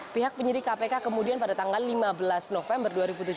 pihak penyidik kpk kemudian pada tanggal lima belas november dua ribu tujuh belas